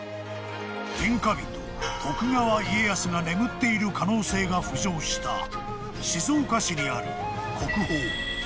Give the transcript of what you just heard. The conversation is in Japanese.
［天下人徳川家康が眠っている可能性が浮上した静岡市にある］